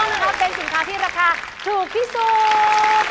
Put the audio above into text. มันม่วงนะครับเป็นสินค้าที่ราคาถูกพีสุด